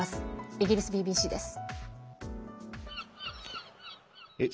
イギリスＢＢＣです。